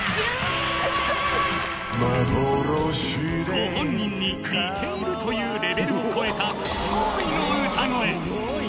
ご本人に似ているというレベルを超えた驚異の歌声。